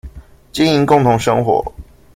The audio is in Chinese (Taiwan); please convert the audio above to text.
經營共同生活